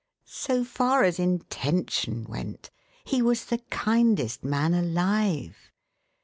So far as intention went, he was the kindest man alive.